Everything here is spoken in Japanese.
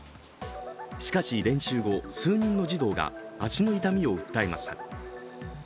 しかし練習後、数人の児童が足の痛みを訴えました。